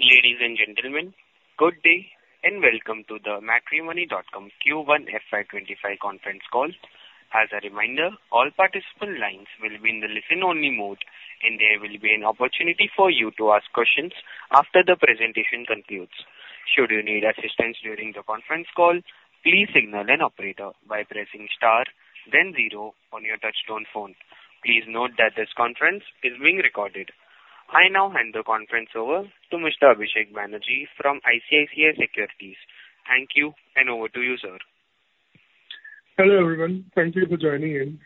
Ladies and gentlemen, good day, and welcome to the Matrimony.com Q1 FY25 conference call. As a reminder, all participant lines will be in the listen-only mode, and there will be an opportunity for you to ask questions after the presentation concludes. Should you need assistance during the conference call, please signal an operator by pressing star then zero on your touchtone phone. Please note that this conference is being recorded. I now hand the conference over to Mr. Abhishek Banerjee from ICICI Securities. Thank you, and over to you, sir. Hello, everyone. Thank you for joining in.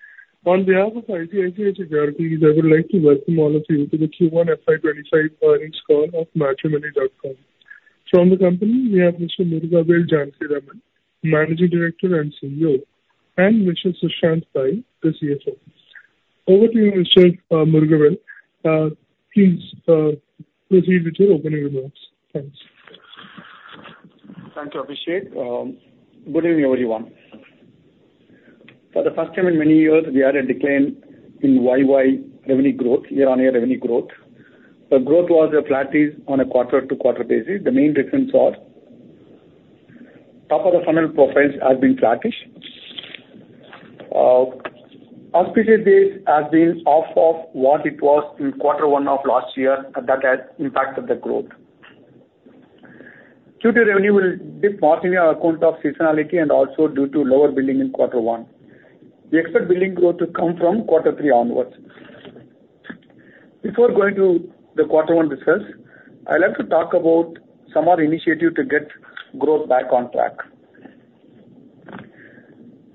On behalf of ICICI Securities, I would like to welcome all of you to the Q1 FY25 earnings call of Matrimony.com. From the company, we have Mr. Murugavel Janakiraman, Managing Director and CEO, and Mr. Sushanth Pai, the CFO. Over to you, Mr. Murugavel. Please, proceed with your opening remarks. Thanks. Thanks, Abhishek. Good evening, everyone. For the first time in many years, we had a decline in YoY revenue growth, year-on-year revenue growth. The growth was flattish on a quarter-to-quarter basis. The main reasons are, top of the funnel profiles has been flattish. Auspicious days have been off of what it was in Q1 of last year, and that has impacted the growth. Q2 revenue will dip mostly on account of seasonality and also due to lower billing in Q1. We expect billing growth to come from Q3 onwards. Before going to the Q1 discuss, I'd like to talk about some of our initiative to get growth back on track.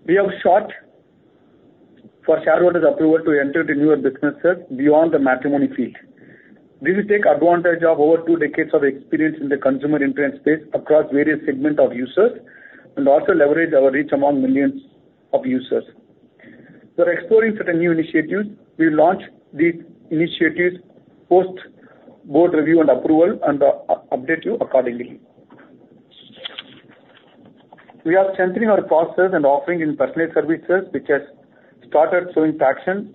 We have sought for shareholders' approval to enter into newer businesses beyond the matrimony field. We will take advantage of over two decades of experience in the consumer internet space across various segments of users and also leverage our reach among millions of users. We're exploring certain new initiatives. We'll launch these initiatives post-board review and approval and, update you accordingly. We are centering our process and offering in personal services, which has started showing traction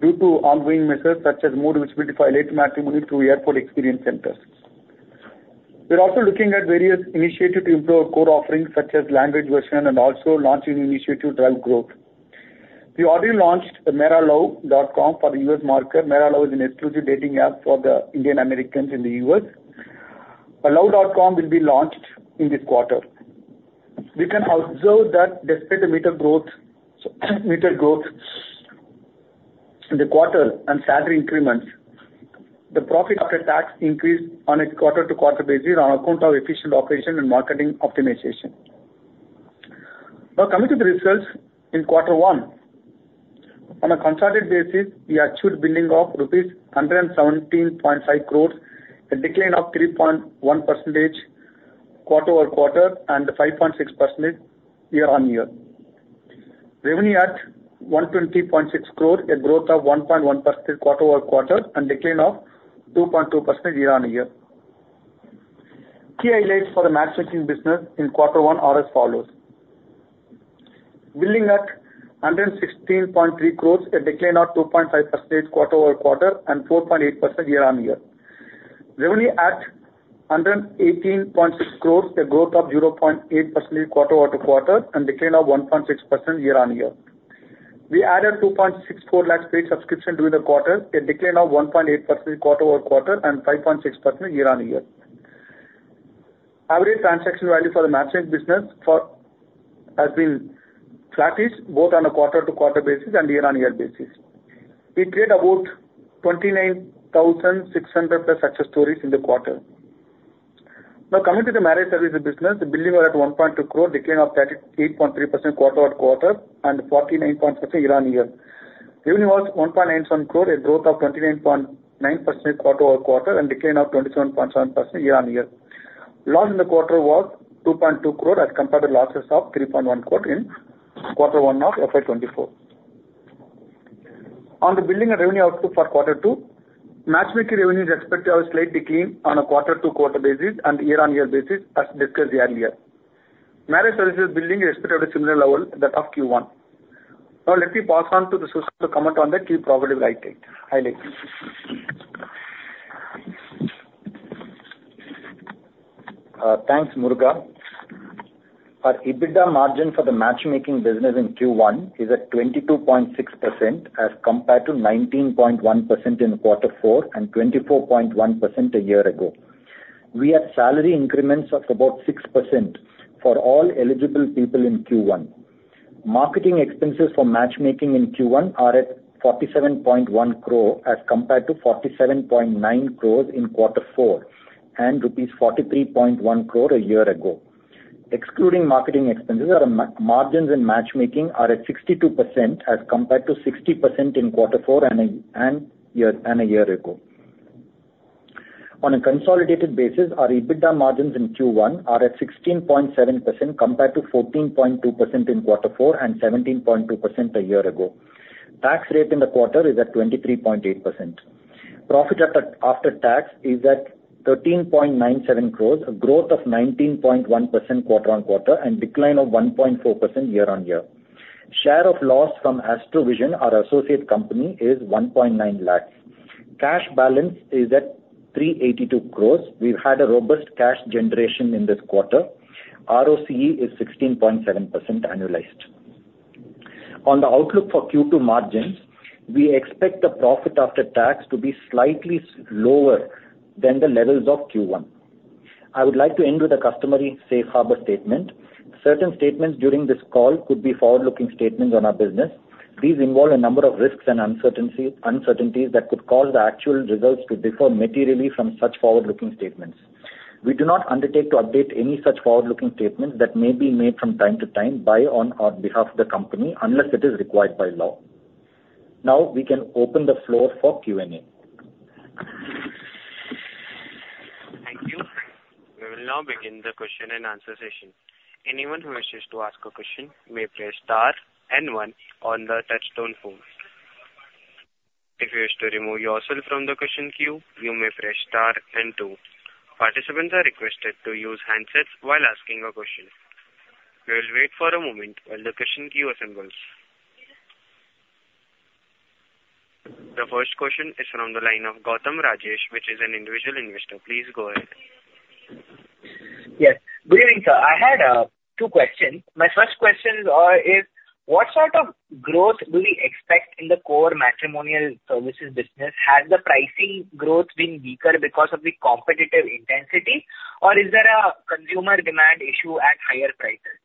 due to ongoing measures such as more retail, which solidify Elite Matrimony through airport experience centers. We're also looking at various initiatives to improve our core offerings, such as language version and also launching an initiative to drive growth. We already launched the MeraLuv.com for the U.S. market. MeraLuv is an exclusive dating app for the Indian Americans in the US. Love.com will be launched in this quarter. We can observe that despite the muted growth, muted growth in the quarter and salary increments, the profit after tax increased on a quarter-over-quarter basis on account of efficient operation and marketing optimization. Now, coming to the results in Q1. On a consolidated basis, the actual billing of rupees 117.5 crores, a decline of 3.1% quarter-over-quarter and 5.6% year-on-year. Revenue at 120.6 crores, a growth of 1.1% quarter-over-quarter and decline of 2.2% year-on-year. Key highlights for the matchmaking business in Q1 are as follows: billing at 116.3 crores, a decline of 2.5% quarter-over-quarter and 4.8% year-on-year. Revenue at 118.6 crores, a growth of 0.8% quarter-over-quarter and decline of 1.6% year-on-year. We added 2.64 lakhs paid subscriptions during the quarter, a decline of 1.8% quarter-over-quarter and 5.6% year-on-year. Average transaction value for the matchmaking business has been flattish, both on a quarter-to-quarter basis and year-on-year basis. We created about 29,600+ success stories in the quarter. Now, coming to the marriage services business, the billing was at 1.2 crore, decline of 38.3% quarter-over-quarter and 49.6% year-on-year. Revenue was 1.97 crore, a growth of 29.9% quarter-over-quarter and decline of 27.7% year-on-year. Loss in the quarter was 2.2 crore, as compared to losses of 3.1 crore in quarter 1 of FY 2024. On the billing and revenue outlook for Q2, matchmaking revenue is expected to have a slight decline on a quarter-to-quarter basis and year-on-year basis, as discussed earlier. Marriage services billing is expected at a similar level that of Q1. Now let me pass on to Sushanth to comment on the key profitability. Thanks, Muruga. Our EBITDA margin for the matchmaking business in Q1 is at 22.6%, as compared to 19.1% in Q4 and 24.1% a year ago. We had salary increments of about 6% for all eligible people in Q1. Marketing expenses for matchmaking in Q1 are at 47.1 crore, as compared to 47.9 crore in Q4 and rupees 43.1 crore a year ago. Excluding marketing expenses, our margins in matchmaking are at 62%, as compared to 60% in Q4 and a year ago. On a consolidated basis, our EBITDA margins in Q1 are at 16.7%, compared to 14.2% in Q4 and 17.2% a year ago. Tax rate in the quarter is at 23.8%. Profit after tax is at 13.97 crores, a growth of 19.1% quarter-on-quarter and decline of 1.4% year-on-year. ...Share of loss from Astro-Vision, our associate company, is 1.9 lakhs. Cash balance is at 382 crores. We've had a robust cash generation in this quarter. ROCE is 16.7% annualized. On the outlook for Q2 margins, we expect the profit after tax to be slightly lower than the levels of Q1. I would like to end with a customary safe harbor statement. Certain statements during this call could be forward-looking statements on our business. These involve a number of risks and uncertainties, uncertainties that could cause the actual results to differ materially from such forward-looking statements. We do not undertake to update any such forward-looking statements that may be made from time to time by on our behalf of the company, unless it is required by law. Now we can open the floor for Q&A. Thank you. We will now begin the question and answer session. Anyone who wishes to ask a question may press star and one on the touchtone phone. If you wish to remove yourself from the question queue, you may press star and two. Participants are requested to use handsets while asking a question. We will wait for a moment while the question queue assembles. The first question is from the line of Gautam Rajesh, which is an individual investor. Please go ahead. Yes. Good evening, sir. I had two questions. My first question is, is what sort of growth do we expect in the core matrimonial services business? Has the pricing growth been weaker because of the competitive intensity, or is there a consumer demand issue at higher prices?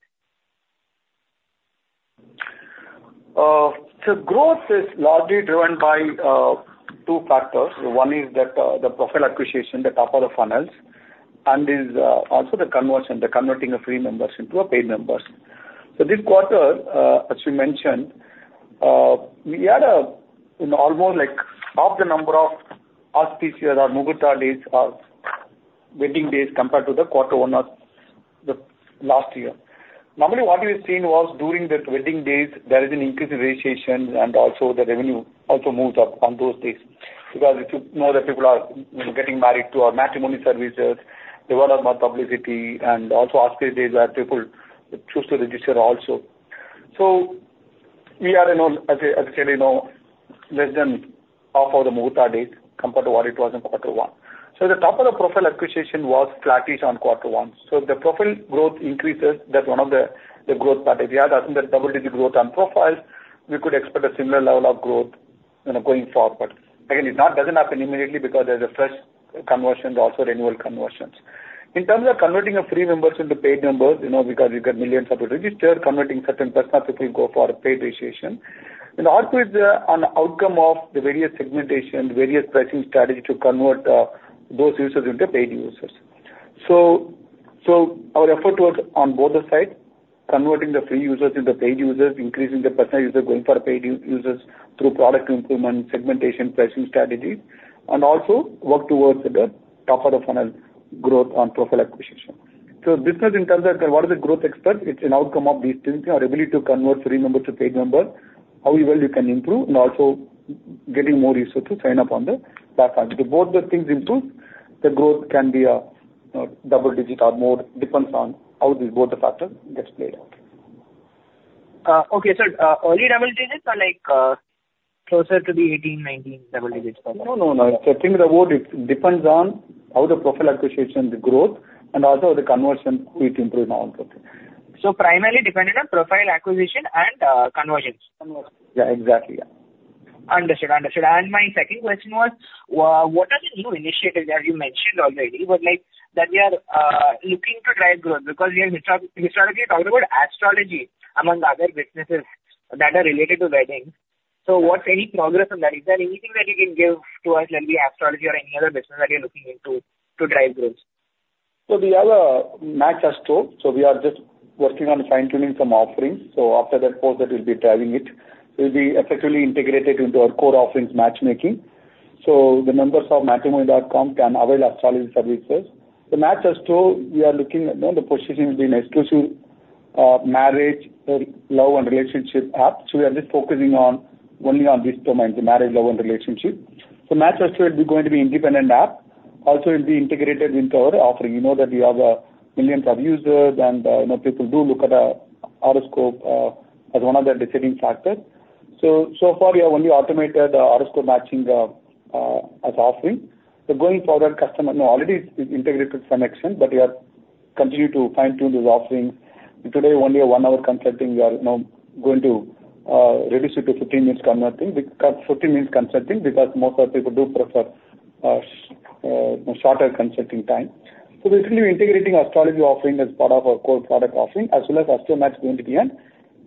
So growth is largely driven by two factors. One is that the profile acquisition, the top of the funnels, and is also the conversion, the converting of free members into paid members. So this quarter, as we mentioned, we had, you know, almost like half the number of auspicious or Muhurta days of wedding days compared to the Q1 of the last year. Normally, what we've seen was during those wedding days, there is an increase in registration and also the revenue also moves up on those days. Because if you know that people are, you know, getting married to our matrimony services, there are lot more publicity and also auspicious days where people choose to register also. So we are in a, as I, as I said, you know, less than half of the Muhurta days compared to what it was in Q1. So the top of the profile acquisition was flattish on Q1. So if the profile growth increases, that's one of the, the growth part. If we have the double-digit growth on profiles, we could expect a similar level of growth, you know, going forward. Again, it doesn't happen immediately because there's a fresh conversion, also renewal conversions. In terms of converting our free members into paid members, you know, because you get millions of registered, converting certain percentage people go for a paid registration. And also is an outcome of the various segmentation, various pricing strategy to convert those users into paid users. So, so our effort was on both the sides, converting the free users into paid users, increasing the percentage user going for paid users through product improvement, segmentation, pricing strategies, and also work towards the top of the funnel growth on profile acquisition. So business in terms of what is the growth expect, it's an outcome of these things, our ability to convert free members to paid member, how well you can improve and also getting more users to sign up on the platform. If both the things improve, the growth can be a double digit or more, depends on how these both the factors gets played out. Okay. So, early double digits are like, closer to the 18, 19 double digits? No, no, no. I think the growth it depends on how the profile acquisition, the growth and also the conversion, it improves on also. So primarily dependent on profile acquisition and conversions? Conversions. Yeah, exactly. Yeah. Understood. Understood. My second question was, what are the new initiatives that you mentioned already, but like that we are looking to drive growth, because we are historically talking about astrology among other businesses that are related to weddings. What's any progress on that? Is there anything that you can give to us, maybe astrology or any other business that you're looking into to drive growth? So we have a MatchAstro, so we are just working on fine-tuning some offerings. So after that, of course, that will be driving it. It will be effectively integrated into our core offerings, matchmaking. So the members of Matrimony.com can avail astrology services. The MatchAstro, we are looking at, you know, the positioning will be an exclusive, marriage, love and relationship app. So we are just focusing on only on these domains, the marriage, love and relationship. So MatchAstro is going to be independent app. Also, it'll be integrated into our offering. You know that we have, millions of users and, you know, people do look at, horoscope, as one of their deciding factors. So, so far, we have only automated the horoscope matching, as offering. So going forward, customer... No, already it's integrated to some extent, but we are continue to fine-tune this offering. Today, only a 1-hour consulting, we are now going to reduce it to 15 minutes consulting, because 15 minutes consulting, because most of the people do prefer shorter consulting time. So basically, we're integrating astrology offering as part of our core product offering, as well as MatchAstro is going to be an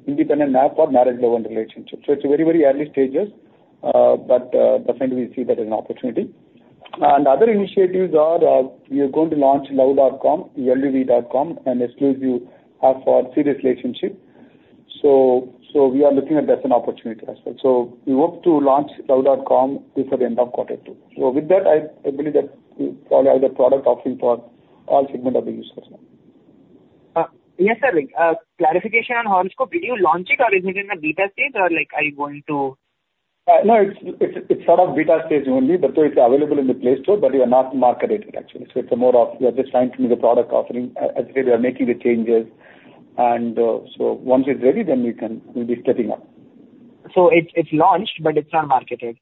independent app for marriage, love, and relationship. So it's very, very early stages, but definitely we see that as an opportunity. And other initiatives are, we are going to launch Love.com, L-O-V-E.com, an exclusive app for serious relationship. So, so we are looking at that as an opportunity as well. So we hope to launch Love.com before the end of Q2. With that, I believe that we have the product offering for all segments of the users now. Yes, sir. Clarification on horoscope. Did you launch it or is it in a beta stage or like, are you going to?... No, it's sort of beta stage only, but so it's available in the Play Store, but we are not marketed actually. So it's more of we are just trying to do the product offering. As we are making the changes, and so once it's ready, then we can, we'll be stepping up. It's launched, but it's not marketed?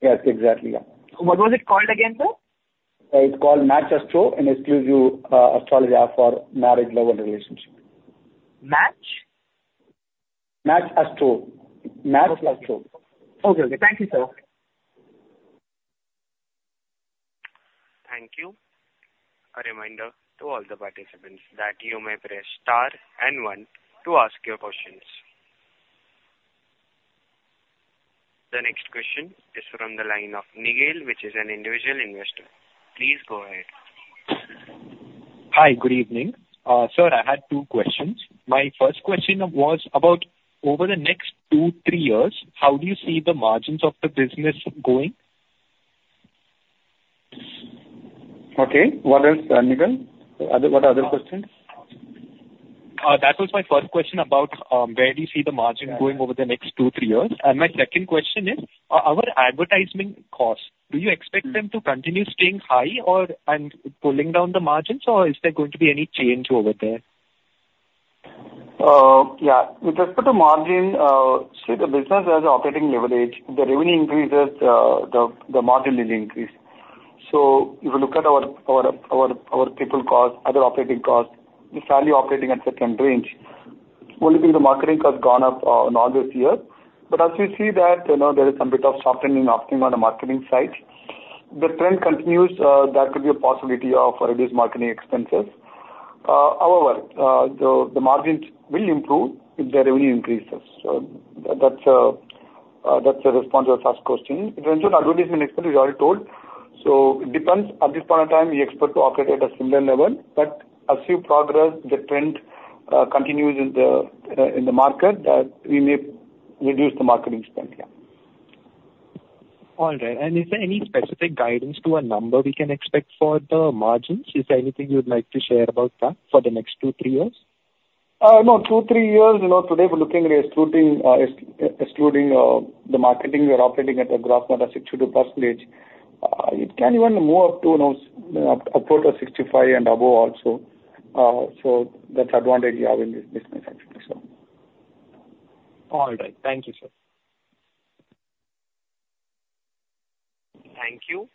Yes, exactly. Yeah. What was it called again, sir? It's called MatchAstro, and it gives you astrology app for marriage, love, and relationship. Match? MatchAstro. MatchAstro. Okay. Okay. Thank you, sir. Thank you. A reminder to all the participants that you may press star and one to ask your questions. The next question is from the line of Nigel, which is an individual investor. Please go ahead. Hi, good evening. Sir, I had two questions. My first question was about over the next 2-3 years, how do you see the margins of the business going? Okay. What else, Nigel? What other questions? That was my first question about where do you see the margin going over the next 2-3 years? And my second question is, our advertisement costs, do you expect them to continue staying high or, and pulling down the margins, or is there going to be any change over there? Yeah, with respect to margin, so the business has operating leverage. The revenue increases, the margin will increase. So if you look at our people costs, other operating costs, it's fairly operating at the 10 range. Only the marketing costs gone up in all this year. But as we see that, you know, there is a bit of softening optimum on the marketing side. The trend continues, that could be a possibility of reduced marketing expenses. However, the margins will improve if the revenue increases. So that's the response to your first question. In terms of advertisement expense, we already told, so it depends. At this point in time, we expect to operate at a similar level, but as we progress, the trend continues in the market, we may reduce the marketing spend. Yeah. All right. Is there any specific guidance to a number we can expect for the margins? Is there anything you'd like to share about that for the next 2-3 years? No, 2-3 years, you know, today we're looking at excluding the marketing, we are operating at a gross margin of 62%. It can even move up to, you know, upward of 65% and above also. So that's the advantage we have in this business actually, so. All right. Thank you, sir. Thank you.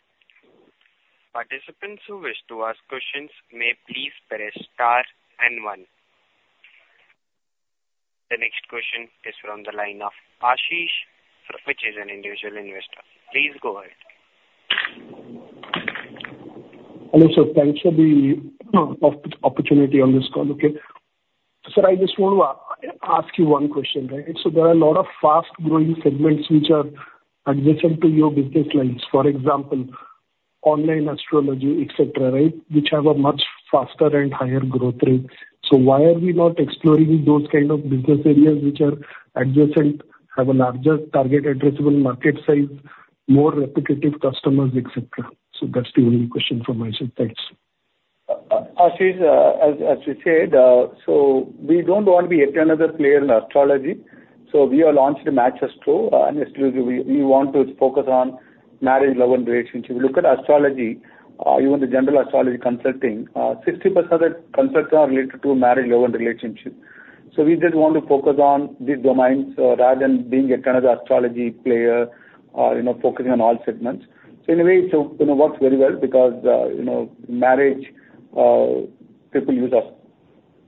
Participants who wish to ask questions may please press star and one. The next question is from the line of Ashish, which is an individual investor. Please go ahead. Hello, sir. Thanks for the opportunity on this call. Okay. Sir, I just want to ask you one question, right? So there are a lot of fast-growing segments which are adjacent to your business lines, for example, online astrology, et cetera, right? Which have a much faster and higher growth rate. So why are we not exploring those kind of business areas which are adjacent, have a larger target addressable market size, more repetitive customers, et cetera? So that's the only question from my side. Thanks. Ashish, as you said, so we don't want to be yet another player in astrology, so we have launched MatchAstro. And we really want to focus on marriage, love and relationship. If you look at astrology, even the general astrology consulting, 60% of consultants are related to marriage, love, and relationship. So we just want to focus on these domains, rather than being yet another astrology player, you know, focusing on all segments. So anyway, you know, it works very well because, you know, marriage, people use astrology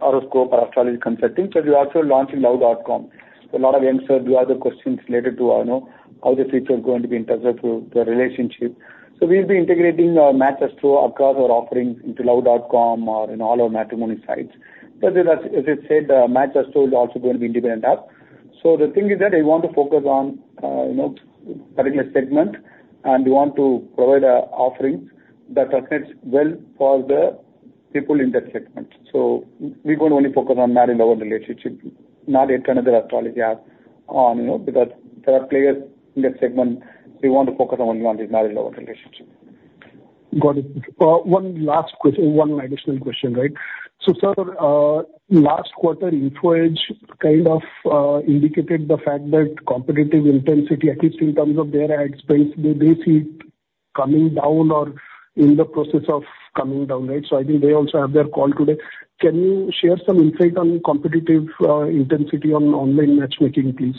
or horoscope consulting. So we are also launching Love.com. So a lot of youngsters do other questions related to, you know, how the future is going to be in terms of the relationship. So we'll be integrating MatchAstro across our offerings into Love.com or in all our matrimony sites. But as I, as I said, MatchAstro is also going to be independent app. So the thing is that we want to focus on, you know, particular segment, and we want to provide a offerings that resonates well for the people in that segment. So we're going to only focus on marriage, love, and relationship, not yet another astrology app, you know, because there are players in that segment. We want to focus on only on the marriage, love, and relationship. Got it. One last question, one additional question, right? So sir, last quarter, Info Edge kind of indicated the fact that competitive intensity, at least in terms of their ad spend, they, they see it coming down or in the process of coming down, right? So I think they also have their call today. Can you share some insight on competitive intensity on online matchmaking, please?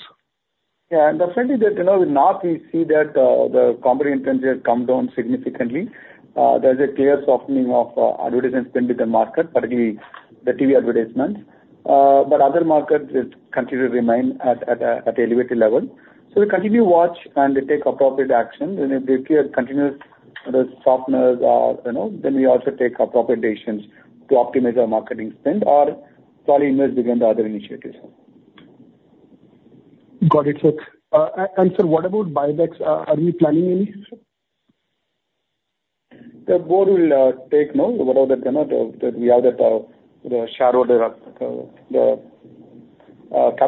Yeah, and the fact is that, you know, in North we see that, the competitive intensity has come down significantly. There's a clear softening of, advertisement spend in the market, particularly the TV advertisements. But other markets it continue to remain at a elevated level. So we continue to watch and take appropriate action, and if it continues the softness, you know, then we also take appropriate actions to optimize our marketing spend or further invest within the other initiatives. Got it, sir. And sir, what about buybacks? Are we planning any, sir? The board will take note of whatever that, you know, that we have, the shareholder capital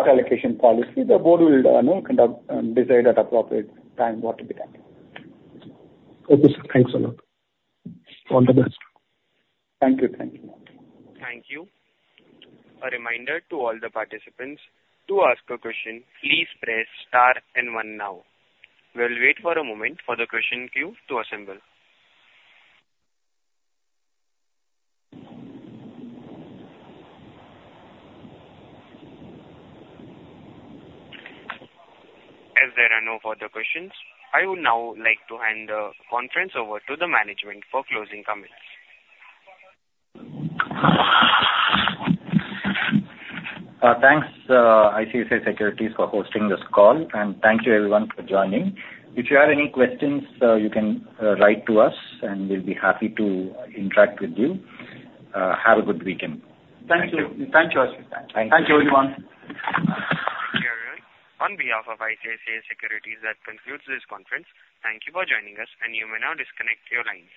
allocation policy. The board will, you know, conduct and decide at appropriate time what to be done. Okay, sir, thanks a lot. All the best. Thank you. Thank you. Thank you. A reminder to all the participants, to ask a question, please press star and one now. We'll wait for a moment for the question queue to assemble. As there are no further questions, I would now like to hand the conference over to the management for closing comments. Thanks, ICICI Securities for hosting this call, and thank you everyone for joining. If you have any questions, you can write to us, and we'll be happy to interact with you. Have a good weekend. Thank you. Thank you. Thanks, [Josh. Thank you. Thanks, everyone. Thank you, everyone. On behalf of ICICI Securities, that concludes this conference. Thank you for joining us, and you may now disconnect your lines.